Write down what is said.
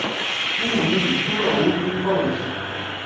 Um menino empurra outro em um balanço.